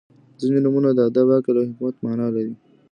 • ځینې نومونه د ادب، عقل او حکمت معنا لري.